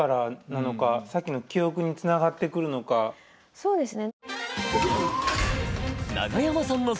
そうですね。